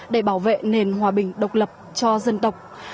để bảo vệ nền hòa bình độc lập cho dân tộc